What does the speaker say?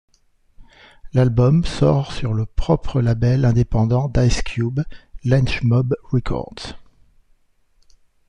L'album sort sur le propre label indépendant d'Ice Cube, Lench Mob Records.